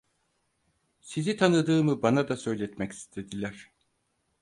Sizi tanıdığımı bana da söyletmek istediler.